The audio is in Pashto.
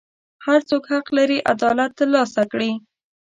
هر څوک حق لري عدالت ترلاسه کړي.